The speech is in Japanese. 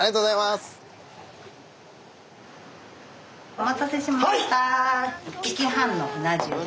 お待たせしました。